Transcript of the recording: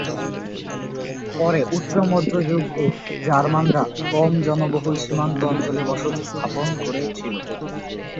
পরে উচ্চ মধ্যযুগ-এ জার্মানরা এই কম জনবহুল সীমান্ত অঞ্চলে বসতি স্থাপন করেছিল।